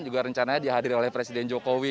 juga rencananya dihadiri oleh presiden jokowi